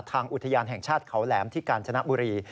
อุทยานแห่งชาติเขาแหลมที่กาญจนบุรี